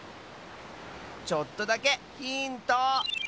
ちょっとだけヒント！